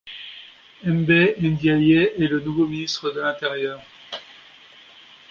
Mbaye Ndiaye est le nouveau ministre de l'Intérieur.